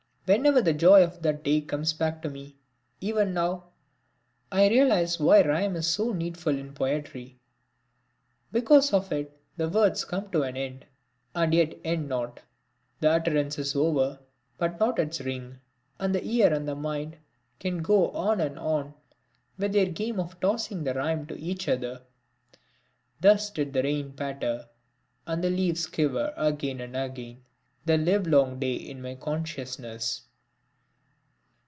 Whenever the joy of that day comes back to me, even now, I realise why rhyme is so needful in poetry. Because of it the words come to an end, and yet end not; the utterance is over, but not its ring; and the ear and the mind can go on and on with their game of tossing the rhyme to each other. Thus did the rain patter and the leaves quiver again and again, the live long day in my consciousness.